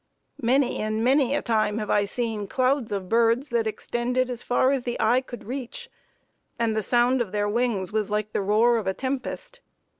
Many and many a time have I seen clouds of birds that extended as far as the eye could reach, and the sound of their wings was like the roar of a tempest.